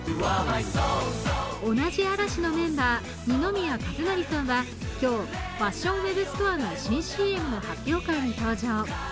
同じ嵐のメンバー、二宮和也さんは今日、ファッションウェブストアの新ＣＭの発表会に登場。